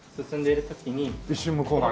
一瞬向こうがね。